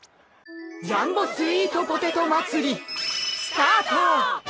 ジャンボスイートポテトまつりスタート！